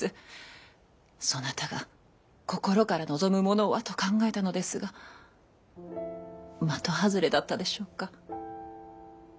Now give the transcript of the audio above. そなたが心から望むものはと考えたのですが的外れだったでしょうか？